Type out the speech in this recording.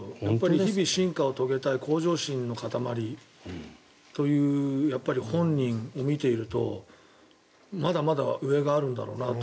日々進化を遂げたい向上心の塊というふうにやっぱり本人を見ているとまだまだ上があるんだろうなと。